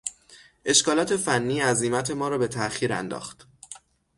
اشکالات فنی عزیمت ما را به تاخیر انداخت.